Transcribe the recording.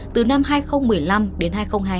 từ năm hai nghìn một mươi năm đến hai nghìn hai mươi